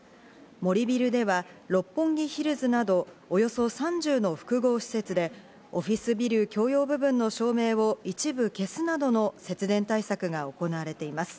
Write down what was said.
森ビルでは六本木ヒルズなど、およそ３０の複合施設でオフィスビル共用部分の照明を一部消すなどの節電対策が行われています。